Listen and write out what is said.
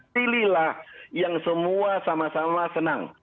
pilihlah yang semua sama sama senang